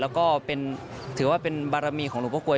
แล้วก็ถือว่าเป็นบารมีของหลวงพ่อกลว